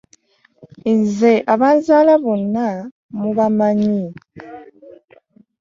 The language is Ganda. Nze abanzaala mwenna mubamanyi.